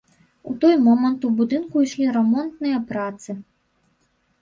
У той момант у будынку ішлі рамонтныя працы.